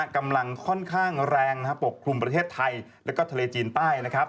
กำลังค่อนข้างแรงปกคลุมประเทศไทยแล้วก็ทะเลจีนใต้นะครับ